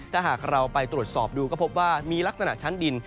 ถ้าหากเราไปตรวจสอบดูก็พบว่ามีลักษณะชั้นดิน